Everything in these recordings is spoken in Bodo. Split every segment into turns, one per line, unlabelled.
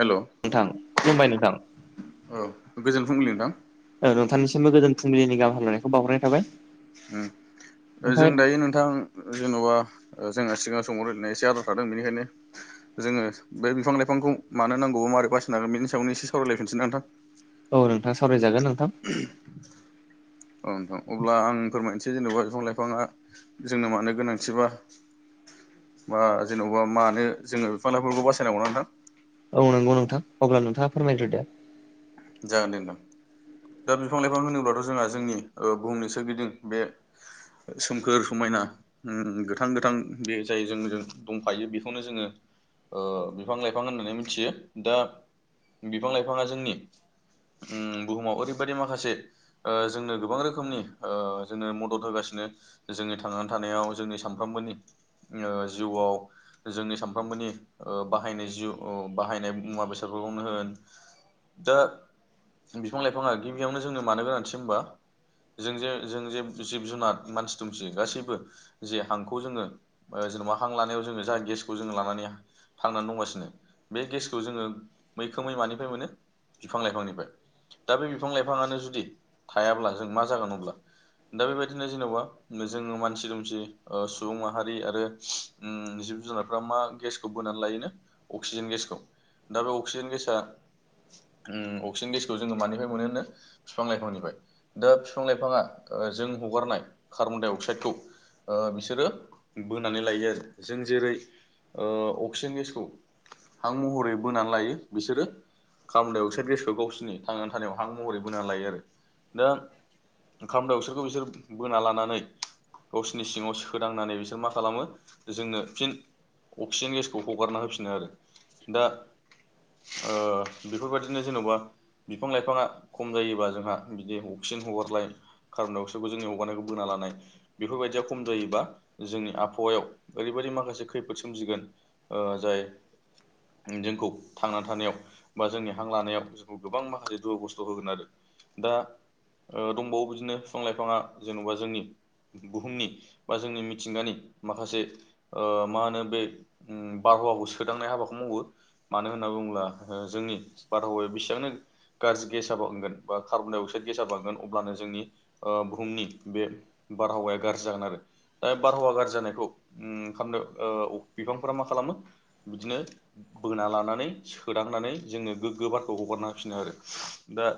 हेल' औ
नोंथां खुलुमबाय नोंथां।
गोजोन फुंबिलि नोंथां
ओ नोंथांनिसिमबो गोजोन फुंबिलिनि गाहाम हामलायनायखौ बावहरनाय थाबाय
जों
ओमफ्राय
दायो नोंथां जेन'बा ओ जोङो सिगां समाव ओरैनो एसे आद्रा थादों बेनिखायनो जोङो बे बिफां लाइफांखौ मानो नांगौबा माबोरै बासिनो हागोन बेनि सायावनो एसे सावरायलायफिनसै ना नोंथां।
औ नोंथां सावरायजागोन नोंथां।
औ नोंथां अब्ला आं फोरमायनोसै जेनेबा बिफां लाइफाङा जोंनो मानो गोनांथिबा बा जेन'बा मानो जोङो बिफां लाइफोरखौ बासायनांगौ ना नोंथां।
औ नोंगौ नोंथां अब्ला नोंथाङा फोरमायदो दे।
जागोन दे नोंथां। दा बिफां-लाइफां होनोब्लाथ' जोंहा जोंनि ओ बुहुमनि सोरगिदिं बे सोमखोर समायना ओम गोथां-गोथां बे जाय जोंजों दंफायो बेखौनो जोङो ओ बिफां लाइफां होननानै मिनथियो दा बिफां लाइफाङा जोंनि उम बुहुमाव ओरैबादि माखासे ओ जोंनो गोबां रोखोमनि ओ जोंनो मदद होगासिनो जोंनि थांनानै थानायाव जोंनि सानफ्रोमबोनि ओ जिउआव जोंनि सानफ्रोमबोनि ओ बाहायनाय जिउ ओ बाहायनाय मुवा बेसादफोरखौनो होन दा बिफां-लाइफाङा गिबियावनो जोंनो मानो गोनांथि होनबा जों जे जों जे जिब-जुनार मानसि-दुमसि गासैबो जे हांखौ जोङो ओ जेन'बा हां लानायाव जोङो जा गेसखौ जोङो लानानै थांनान दंगासिनो बे गेसखौ जोङो मैखोमै मानिफ्राय मोनो बिफां लाइफांनिफ्राय। दा बे बिफां लाइफाङानो जुदि थायाब्ला जों मा जागोन अब्ला दा बेबायदिनो जेन'बा जोङो मानसि-दुमसि ओ सुबुं माहारि आरो उम जिब-जुनारफ्रा मा गेस खौ बोनानै लायोनो अक्सिजेन गेसखौ दा बे अक्सिजेन गेसाआ उम अक्सिजेन गेसखौ जोङो मानिफ्राय मोनो होनो फिफां-लाइफांनिफ्राय दा फिफां-लाइफाङा ओ जों हगारनाय कार्बन-डाइ-अक्साइडखौ ओ बिसोरो बोनानै लायो आरो जों जेरै ओ अक्सिजेन गेसखौ हां महरै बोनानै लायो बिसोरो। कार्बन-डाई-ऑक्साइड गेसखौ गावसोरनि थांनानै थानायाव हां महरै बोना लायो आरो दा कार्बन डाइ ऑक्साइडखौ बिसोरो बोना लानानै गावसोरनि सिङाव सोदांनानै बिसोर मा खालामो जोंनो फिन अक्सिजेन गेसखौ हगारना होफिनो आरो दा ओ बेफोरबायदिनो जेन'बा बिफां लाइफाङा खम जायोबा जोंहा बिदि अक्सिन हगरलाय कार्बन डाई अक्साइडखौ जोंनि हगारनायखौ बोना लानाय। बेफोरबायदिया खम जायोबा जोंनि आबहावायाव ओरैबायदि माखासे खैफोद सोमजिगोन। ओ जाय जोंखौ थांना थानायाव बा जोंनि हां लानायाव जोंखौ गोबां माखासे दुखु खस्थ' होगोन आरो दा ओ दंबावो बिदिनो बिफां लाइफाङा जेन'बा जोंनि बुहुमनि बा जोंनि मिथिंगानि माखासे ओ मा होनो बे बारवाखौ सोदांनाय हाबाखौ मावो मानो होनना बुङोब्ला जोंनि बारहावाया बेसेबांनो गाज्रि गेस बांगोन बा कार्बनडाइ अक्साइड गेसा बांगोन अब्लानो जोंनि ओ बुहुमनि बे बार हावाया गारजि जागोन आरो बे बारहावा गारजि जानायखौ ओ बिफांफोरा मा खालामो बिदिनो बोना लानो नानै सोना होनानै जोङो गोग्गो बारखौ हगारना होफिनो आरो दा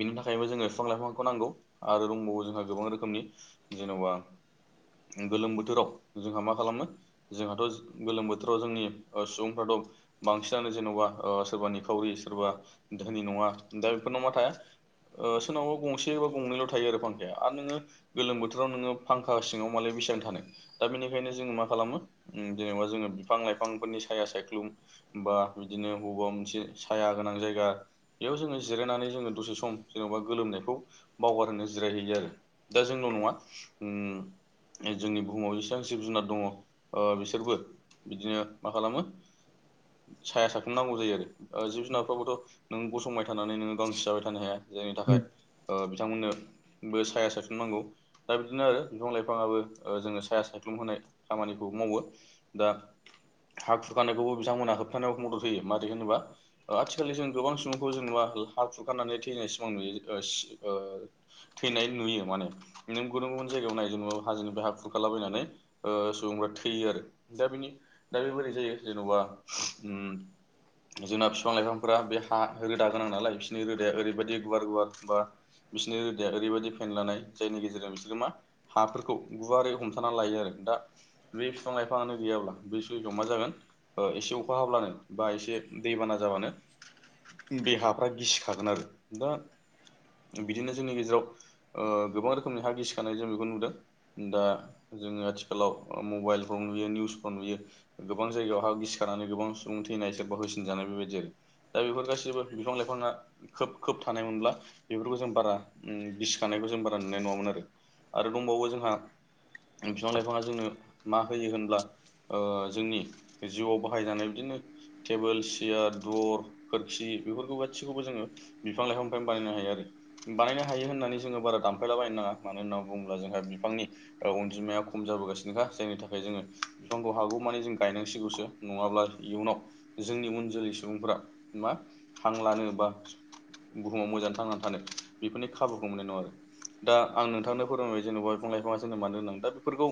बिनि थाखायबो जोङो बिफां लाइफांखौ नांगौ आरो दंबावो जोंहा गोबां रोखोमनि। जेनेबा गोलोम बोथोराव जोंहा मा खालामो। जोंहाथ' गोलोम बोथोराव जोंनि सुबुंफ्राथ'। बांसिनानो जेन'बा सोरबा निखावरि सोरबा धोनि नङा दा बेफोरनाव मा थाया सोरनावबा गंसे एबा गंनैल' थायो आरो फांखाया आरो नोङो गोलोम बोथोराव नोङो फांखा सिङाव मालाइ बेसेबां थानो दा बेनिखायनो जोङो मा खालामो ओ जेनेबा जोङो बिफां लाइफांफोरनि साया सायख्लुम बा बिदिनो हौबा मोनसे साया गोनां जायगा बेयाव जोङो जिरायनानै जोङो दसे सम जेन'बा गोलोमनायखौ बावगारहोनो जिरायहैयो आरो दा जोंल'' नङा ओम जोंनि बुहुमाव इसेबां जिब जुनार दङ बिसोरबो बिदिनो मा खालामो साया साखौन नांगौ जायो आरो जिब जुनारफ्राबोथ' नों गसंबाय थानानै नोङो गांसो जाबाय थानो हाया जायनि थाखाय ओ बिथांमोननो बो साया सायसननांगौ दा बिदिनो आरो बिफां लाइफाङाबो जोङो साया सायख्लुम होनाय खामानिखौ मावो दा हा खुरखानायखौबो बिथांमोना होबथानायाव मदद होयो मादि होनोबा आथिखालि जों गोबां सुबुंखौ जोंबा हा खुरगारनानै थैनाय सिमां नुयो ओ ओ थैनाय नुयो माने इनो गुबुन गुबुन जायगायाव नायजो ना हाजोनि बे हा खुरखालाबायनानै ओ सुबुंफ्रा थैयो आरो दा बेनि दा बे बोरै जायो जेन'बा जोंना बिफां लाइफांफोरा बे हा रोदा गोनां नालाय बिसोरनि रोदाया ओरैबायदि गुवार गुवार बा बिसोरनि रोदाया ओरैबायदि फेनलानाय जायनि गेजेरजों बिसोरो मा हा फोरखौ गुवारै हमथानानानै लायो आरो दा बे बिफां लाइफाङानो गैयाब्ला बे सुिआव मा जागोन एसे अखा हाब्लानो बा एसे दैबाना जाबानो देहाफ्रा गिसिखागोन आरो दा बिदिनो जोंनि गेजेराव ओ गोबां रोखोमनि हा गिसिखानाय जों बेखौ नुदों दा जोङो आथिखालाव मबाइलफ्राव नुयो निउसफ्राव नुयो गोबां जायगायाव हा गिसिखारानानै गोबां सुबुं थैनाय सोरबा होसिनजानाय बेबायदि आरो दा बेफोर गासिबो बिफां लाइफाङा खोब खोब थानाय मोनब्ला बेफोरखौ जों बारा ओ गिसिखानायखौ जों बारा नुनाय नङामोन आरो आरो दंबावो जोंहा बिफां लाइफाङा जोंनो मा होयो होनब्ला ओ जोंनि जिउआव बाहायजानाय बिदिनो टेबोल सियार द्वर खोरखी बेफोरखौ गासैखौबो जोङो बिफां लाइफांनिफ्राय बानायनो हायो आरो बानायनो हायो होननानै जोङो बारा दानफायलाबायनो नाङा मानो होन्ना बुङोब्ला जोंहा बिफांनि ओ अनजिमाया खम जाबोगासिनोखा जायनि थाखाय जोङो बिफांखौ हागौमानि जों गायनांसिगौसो नङाब्ला इयुनाव जोंनि उन जोलै सुबुंफोरा मा हां लानो बा बुहुमाव मोजाङै थांनानै थानो बेफोरनि खाबुखौ मोननाय नङा आरो दा आं नोंथांनो फोरोंबाय जेनेबा बिफां लाइफांआ जोंनो मानो गोनां ओ दा बेफोरखौ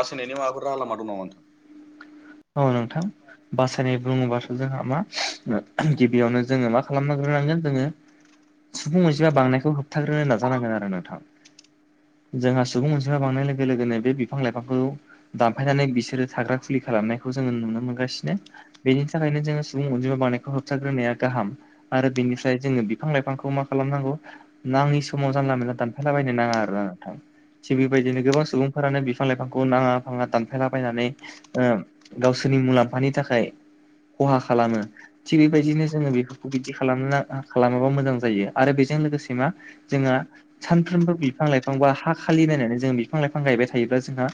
बास होनायनि माबा राहा लामा दङ नामा नोंथां
औ नोंथां। बासायनाय बुङोबासो जोंहा मा गिबियावनो जोङो मा खालामग्रोनांगोन जोङो सुबुं अनजिमा बांनायखौ होबथाग्रोनो नाजानांगोन आरो नोंथां जोंहा सुबुं अनसिमा बांनाय लोगो लोगोनो बे बिफां लाइफांखौ दानफायनानै बिसोरो थाग्रा खुलि खालामनायखौ जोङो नुनो मोनगासिनो। बेनि थाखायनो जोङो सुबुं अनजिमा बांनायखौ होबथाग्रोनाया गाहाम। आरो बेनिफ्राय जोङो बिफां लाइफांखौ मा खालामनांगौ। नाङि समाव जानला मोनानला दानफायलाबायनो नाङा आरो ना नोंथां थिग बेबायदिनो गोबां सुबुंफोरानो बिफां लाइफांखौ नाङा फाङा दानफायलाबायनानै ओ गावसोरनि मुलाम्फानि थाखाय खहा खालामो थिग बेबायदिनो जोङो बेफोरखौ बिदि खालाम खालामाबा मोजां जायो आरो बेजों लोगोसे मा जोंहा सानफ्रोमबो बिफां लाइफां बा हा खालि नायनानै जों बिफां लाइफां गायबाय थायोब्ला जोंहा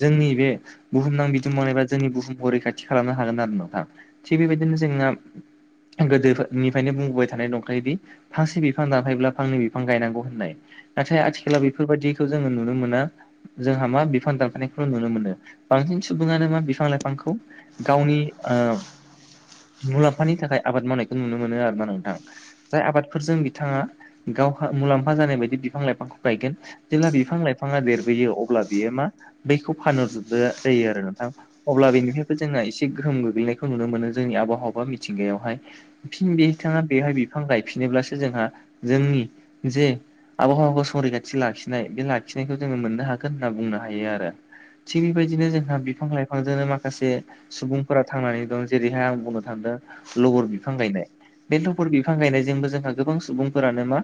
जोंनि बे बुहुमनां बिदुम मावनाय एबा जोंनि बुहुमखौ रैखाथि खालामनो हागोन आरो नोंथां थिग बेबायदिनो जोंना गोदो निफ्रायनो बुंबोबाय थानाय दंखायोदि फांसे बिफां दानफायोब्ला फांनै बिफां गायनांगौ होननाय नाथाय आथिखालाव बेफोर बायदिखौ जोङो नुनो मोना जोंहा मा बिफां दानफायनायखौल' नुनो मोनो बांसिन सुबुङानो मा बिफां बिफां लाइफांखौ गावनि ओ मुलाम्फानि थाखाय आबाद मावनायखौ नुनो मोनो आरो ना नोंथां जाय आबादफोरजों बिथाङा गावहा मुलाम्फा जानाय बायदि बिफां लाइफांखौ गायगोन जेब्ला बिफां लाइफाङा देरबोयो अब्ला बियो मा बैखौ फानहरजोब जायो आरो नोंथां। अब्ला बेनिफ्रायबो जोंहा एसे गोहोम गोग्लैनायखौ नुनो मोनो जोंनि आबहावा मिथिंगायावहाय फिन बिथांआ बेवहाय बिफां गायफिनोब्लासो जोंहा जोंनि जे आबहावाखौ संरिखाथि लाखिनाय बे लाखिनायखौ जोङो मोननो हागोन होनना बुंनो हायो आरो थिग बेबायदिनो जोंहा बिफां लाइफां बिफांजोंनो माखासे सुबुंफोरा थांनानै दं जेरैहाय आं बुंनो थांदों लबर बिफां गायनाय बे लबर बिफां गायनायजोंबो जोंहा गोबां सुबुंफोरानो मा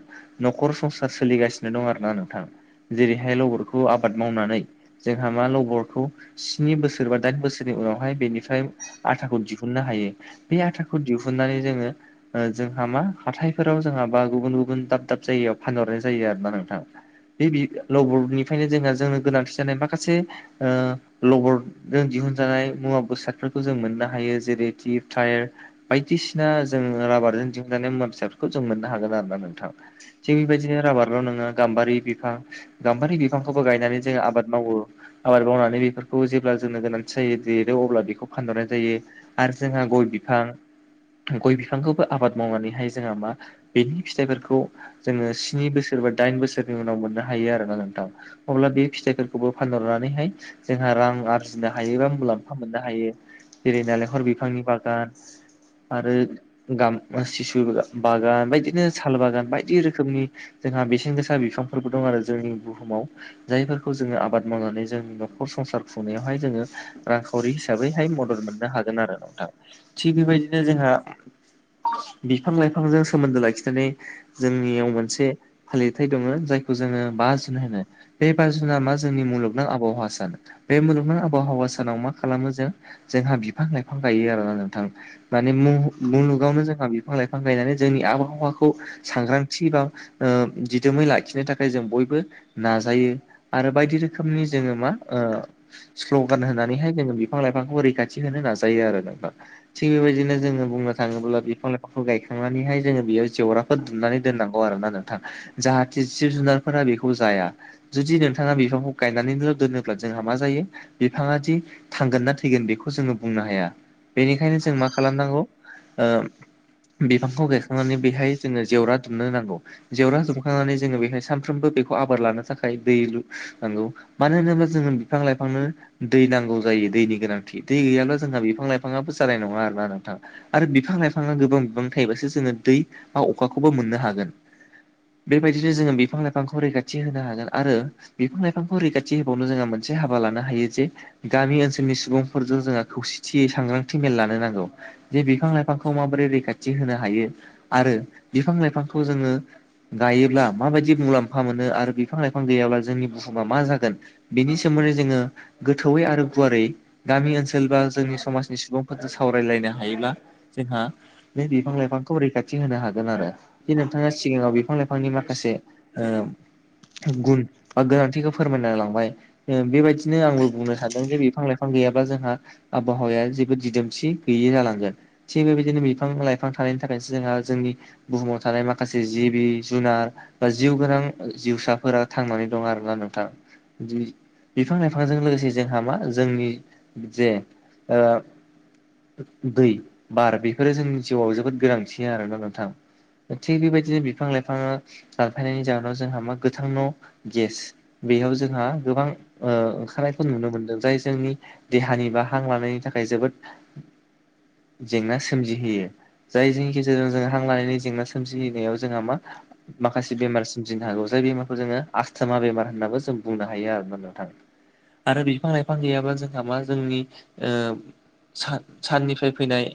नखर संसार सोलिगासिनो दं आरो ना नोंथां जेरैहाय लबरखौ आबाद मावनानै जोंहा मा लबरखौ स्नि बोसोर सोरबा दाइन बोसोरनि उनावहाय बेनिफ्राय आथाखौ दिहुननो हायो बे आथाखौ दिहुननानै जोङो जोंहा मा हाथायफोराव जोंहा बा गुबुन गुबुन दाब दाब जायगायाव फानहरनाय जायो आरो ना नोंथां। बे लबर्डनिफ्रायनो जोंहा जोंनो गोनांथि जानाय माखासे ओ लबर्ड जों दिहुनजानाय मुवा बेसादफोरखौ जों मोननो हायो जेरै टिउप थायार बायदिसिना जों राबारजों दिहुनजानाय मुवा बेसादफोरखौ जों मोननो हागोन आरो नोंथां थां थिक बेबायदिनो राबारल' नङा गाम्बारि बिफां गाम्बारि बिफांखौबो गायनानै जों आबाद मावो आबाद मावनानै बेफोरखौ जेबो जेब्ला जोंनो गोनांथि जायो देरो अब्ला बेखौ फानहरनाय जायो आरो जोंहा गय बिफां। गय बिफांखौबो आबाद मावनानै हाय जोंहा मा बेनि फिथाइफोरखौ जोङो स्नि बोसोर बा दाइन बोसोरनि उनाव मोननो हायो आरोना नोंथां। अब्ला बे फिथाइफोरखौबो फानहरनानैहाय जोंहा रां आर आरजिनो हायो एबा मुलाम्फा मोननो हायो जेरै नालेंखर बिफांनि बागान आरो गाम सिसु बागान बायदिनो साल बागान बायदि रोखोमनि जोंहा बेसेन गोसा बिफांफोरबो दं आरो जोंनि बुहुमाव। जायफोरखौ जोङो आबाद मावनानै जों न'खर संसार खु बेयावहाय जोङो रांखावरि हिसाबैहाय मदद मोननो हागोन आरो नोंथां। थिग बेबायदिनो जोंहा बिफां लाइफांजों सोमोन्दो लाखिनानै जोंनियाव मोनसे फालिथायाइ दङ जायखौ जोङो बा जुन होनो। बे बा जुन मा जोंनि मुलुगनां आबहावा सान। बे मुलुगनां आबहावा सानाव मा खालामो जों जोंहा बिफां लाइफां गायो आरोना नोंथां। माने मुहु मुलुगावनो जोंहा बि फां लाइफां गायनानै जोंनि आबहावाखौ सांग्रांथि एबा दि दोमै लाखिनो थाखाय जों बयबो नाजायो आरो बायदि रोखोमनि जोङो मा स्ल'गान होनानैहाय जोङो बिफां लाइफांखौ रैखाथि होनो नाजायो आरो नोंथां। थिग बेबायदिनो जोङो बुंनो थाङोब्ला बिफां लाइफांखौ गायखांनानैहाय जोङो बेयाव जेवराफोर दुमनानै दोननांगौ आरो ना नोंथां जाहाथे जिब जुनारफोरा बेखौ जाया। जुदि नोंथांआ बिफांखौ गायनानैल' दोनोब्ला जोंहा मा जायो बिफाङा दि थांगोन ना थैगोन बेखौ जोङो बुंनो हाया। बेनिखायनो जों मा खालामनांगौ बिफांखौ गायखांनानै बेहाय जोङो जेवरा दुमनो नांगौ। जेवरा दुमखांनानै जोङो बेहाय सानफ्रोमबो बेखौ आबार लानो थाखाय दै लु नांगौ मानो होनोब्ला जोङो बिफां लाइफांनो दै नांगौ जायो दैनि गोनांथि दै गैयाब्ला जोंहा बिफां लाइफाङाबो जानाय नङा आरोना नोंथा। आरो बिफां लाइफाङा गोबां बिफां थायोबासो जोङो दै बा अखाखौबो मोननो हागोन। बेबायदिनो जोङो बिफां लाइफांखौ रैखाथि होनो हागोन आरो बिफां लाइफांखौ रैखाथि होबावनो जोङो मोनसे हाबा लानो हायो जे गामि ओनसोलनि सुबुंफोरजों जोंहा खौसेथियै सांग्रांथि मेल लानो नांगौ। जों बिफां लाइफांखौ माबोरै रैखा थि होनो हायो आरो बिफां लाइफांखौ जोङो गायोब्ला माबायदि मुलाम फा मोनो आरो बिफां लाइफां गैयाब्ला जोंनि बुहुमा मा जागोन बिनि सोमोन्दै जोङो गोथौयै आरो गुवारै गामि ओनसोल बा जोंनि समाजनि सुबुंफोरजों सावरायलायनो हायोब्ला जोंहा नै बिफां लाइफांखौ रै खाथि होनो हागोन आरो बे नोंथाङा सिगाङाव बिफां लाइफांनि माखासे गुन बा गोनांथिखौ फोरमायना लांबाय बेबायदि बिदिनो आंबो बुंनो सानदों जे बिफां लाइफां बिफां गैयाबा जोंहा आबहावाया जेबो दिदोमसि गैयि जालांगोन। थिग बेबायदिनो बिफां लाइफां थानायनि थाखायसो जोंहा जोंनि बुहुमाव थानाय माखासे जिबि जुनार बा जिउ गोनां जिउसाफोरा थांनानै दं आरो ना नोंथां दि बिफां लाइफांजों लोगोसे जोंहा मा जोंनि जे दै बार बेफोरो जोंनि जिउआव जोबोद गोनांथि आरोना नोंथां। थिग बेबायदिनो बिफां लाइफाङा दानफायनायनि जाहोनाव जोंहा मा गोथां न' गेस बेयाव जोंहा गोबां ओंखारनायखौ नुनो मोनदों जाय देहानि बा हां लानायनि थाखाय जोबोद जेंना सोमजिहोयो। जायनि गेजेरजों जों हां लानायनि जेंना सोमजिनायाव जोंहा मा माखासे बेमार सोमजिनो हागौ जाय बेमारखौ जोंङो आसस्थमा बेमार होननाबो जों बुंनो हायो आरो माने। थां आरो बिफां लाइफां गैयाब्ला जोंहा मा जोंनि ओ सा-साननिफ्राय फैनाय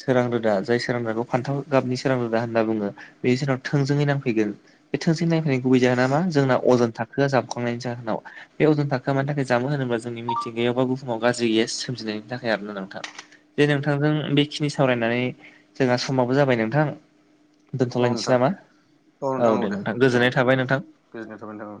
सोरां रोदा जाय सोरां रोदाखौ फान्थाव गाबनि सोरां रोदा होनना बुंङो बे जोंनाव थोंजोङै नांफैगोन। बे थोंजों नायफैनाय गुबै जाहोना मा जोंना अजन थाखोआ जाबखांनायनि जाहोनाव। बे अजन थाखोआ मानि थाखाय जामो होनोब्ला जोंनि मिथिंगायाव बा बुहुमाव गाज्रि गेज सोमजिनायनि थाखाय आरोना नोंथां। जे नोंथांजों बेखिनि सावरायनानै जोंहा समाबो जाबाय नोंथां
औ
दोनथ'लायनोसै
नोंथां
नामा? औ दे नोंथां गोजोननाय थाबाय नोंथां।
गोजोन्नाय थाबाय नोथां।